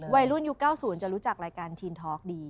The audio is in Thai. วัยรุ่นยุคเก้าศูนย์จะรู้จักรายการทีนทอล์กดี